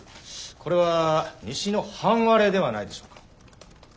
これは西の半割れではないでしょうか？